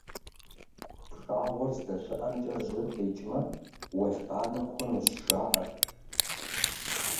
Пшагъуэр здэщыӏэмкӏэ жьыр къикӏмэ, уэлбанэ хъунущ, жаӀэрт.